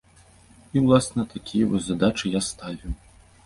І, уласна, такія вось задачы я ставіў.